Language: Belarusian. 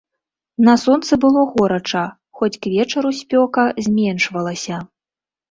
На сонцы было горача, хоць к вечару спёка зменшвалася.